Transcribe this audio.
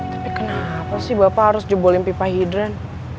tapi kenapa sih bapak harus jebolin pipa hidran